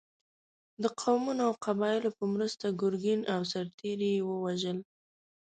د قومونو او قبایلو په مرسته ګرګین او سرتېري یې ووژل.